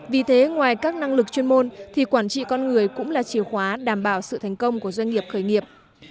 vì thế ngoài các năng lực chuyên môn thì quản trị con người cũng là chìa khóa đảm bảo sự thành công của doanh nghiệp khởi nghiệp